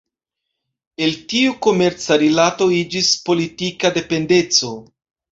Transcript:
El tiu komerca rilato iĝis politika dependeco.